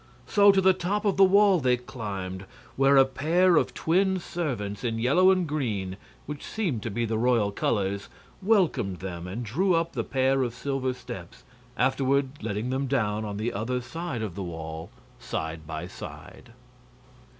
So to the top of the wall they climbed, where a pair of twin servants in yellow and green which seemed to be the royal colors welcomed them and drew up the pair of silver steps, afterward letting them down on the other side of the wall, side by side.